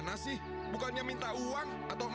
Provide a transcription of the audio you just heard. aduh aduh aduh aduh aduh